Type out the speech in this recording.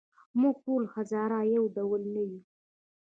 موږ ټول هزاره یو ډول نه یوو.